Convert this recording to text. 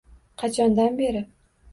Qachondan beri?